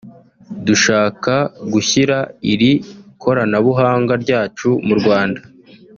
Dushaka gushyira iri koranabuhanga ryacu mu Rwanda